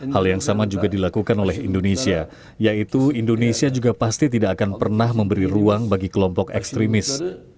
hal yang sama juga dilakukan oleh indonesia yaitu indonesia juga pasti tidak akan pernah memberi ruang bagi kelompok ekstremis